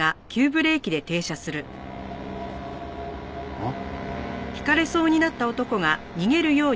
あっ？